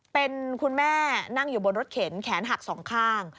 เป็นคุณแม่นั่งอยู่บนรถเข็นแขนหักสองข้าง